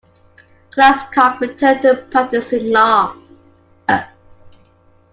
Glasscock returned to practicing law.